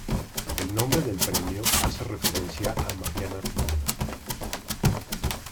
El nombre del premio hace referencia a Mariana Pineda.